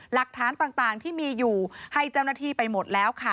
หลักฐานต่างที่มีอยู่ให้เจ้าหน้าที่ไปหมดแล้วค่ะ